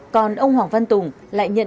còn ông hoàng văn tùng lại nhận